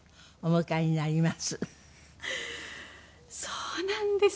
そうなんですよ！